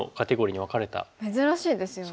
珍しいですよね。